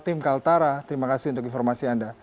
timkaltara terima kasih untuk informasi anda